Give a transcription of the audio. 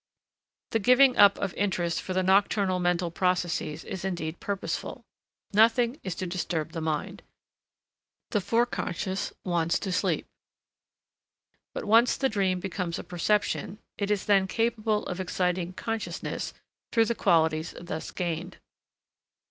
The giving up of interest for the nocturnal mental processes is indeed purposeful. Nothing is to disturb the mind; the Forec. wants to sleep. But once the dream becomes a perception, it is then capable of exciting consciousness through the qualities thus gained.